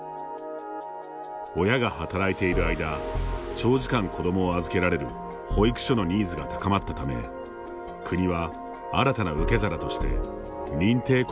親が働いている間長時間子供を預けられる保育所のニーズが高まったため国は新たな受け皿として認定こども園を８年前から拡充してきました。